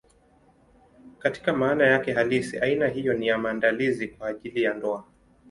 Katika maana yake halisi, aina hiyo ni ya maandalizi kwa ajili ya ndoa.